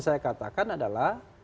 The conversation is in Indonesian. saya katakan adalah